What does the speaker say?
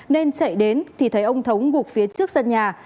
nên chạy đến thì thấy ông thống bục phía trước sân nhà